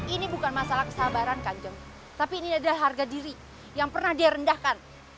ini bukan masalah kesabaran kanjeng tapi ini adalah harga diri yang pernah dia rendahkan